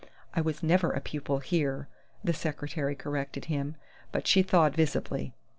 "I was never a pupil here," the secretary corrected him, but she thawed visibly.